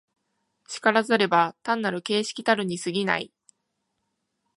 然らざれば単なる形式たるに過ぎない。